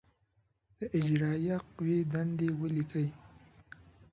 د اجرائیه قوې دندې ولیکئ.